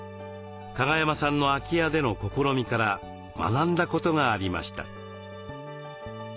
加賀山さんの空き家での試みから学んだことがありました。